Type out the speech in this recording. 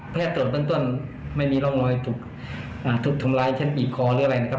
แพทย์ตรวจต้นไม่มีร่องร้อยถูกอ่าถูกทำลายเช่นอีกคอหรืออะไรนะครับ